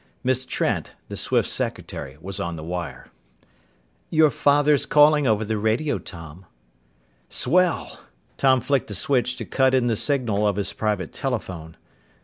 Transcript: Miss Trent, the Swifts' secretary, was on the wire. "Your father's calling over the radio, Tom." "Swell!" Tom flicked a switch to cut in the signal of his private telephone.